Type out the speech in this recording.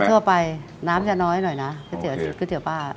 ทั่วไปน้ำจะน้อยหน่อยนะก๋วยเตี๋ป้า